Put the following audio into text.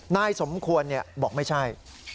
นายสมควรบอกไม่ใช่